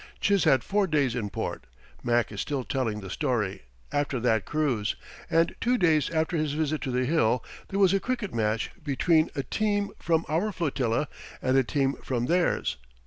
Chiz had four days in port (Mac is still telling the story) after that cruise, and two days after his visit to the hill there was a cricket match between a team from our flotilla and a team from theirs.